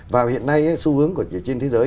và hiện nay xu hướng trên thế giới